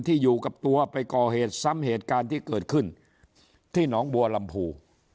อยู่กับตัวไปก่อเหตุซ้ำเหตุการณ์ที่เกิดขึ้นที่หนองบัวลำพู